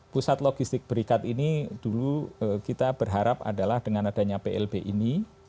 pusat logistik berikat ini dulu kita berharap adalah dengan adanya plb ini